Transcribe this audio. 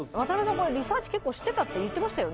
これリサーチ結構してたって言ってましたよね？